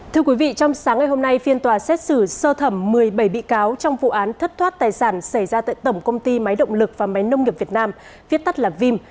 thưa quý vị trong sáng ngày hôm nay phiên tòa xét xử sơ thẩm một mươi bảy bị cáo trong vụ án thất thoát tài sản xảy ra tại tổng công ty máy động lực và máy nông nghiệp việt nam viết tắt là vim